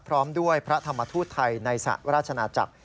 พร้อมด้วยพระธรรมทูตไทยในสหราชนาจักร